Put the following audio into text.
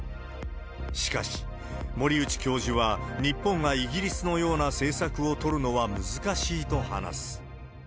しかし、森内教授は、日本がイギリスのような政策を取るのは難しいと話す。